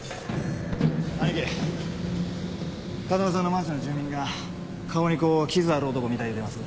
アニキ風間さんのマンションの住民が顔にこう傷ある男見た言うてます。